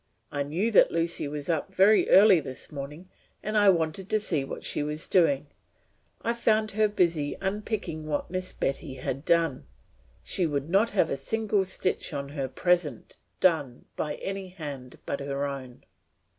I knew that Lucy was up very early this morning and I wanted to see what she was doing; I found her busy unpicking what Miss Betty had done. She would not have a single stitch in her present done by any hand but her own.'"